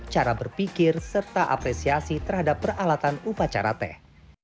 cara berpikir serta apresiasi terhadap peralatan upacara teh